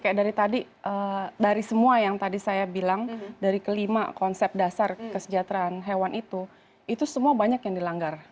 kayak dari tadi dari semua yang tadi saya bilang dari kelima konsep dasar kesejahteraan hewan itu itu semua banyak yang dilanggar